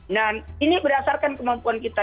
nah ini berdasarkan kemampuan kita